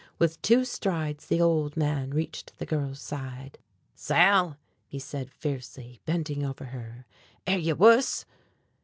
With two strides the old man reached the girl's side. "Sal!" he said fiercely, bending over her, "air ye wuss?"